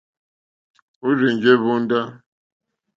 Ó rzènjé hvóndá.